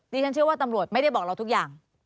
ฉันเชื่อว่าตำรวจไม่ได้บอกเราทุกอย่าง